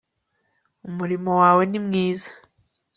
umurimo wawe ni mwiza